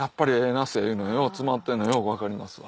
なすいうのはよう詰まってるのがよう分かりますわ。